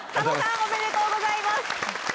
おめでとうございます！